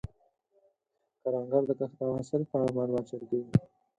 کروندګر د کښت او حاصل په اړه معلومات شریکوي